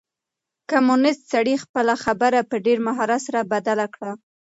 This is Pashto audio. کمونيسټ سړي خپله خبره په ډېر مهارت سره بدله کړه.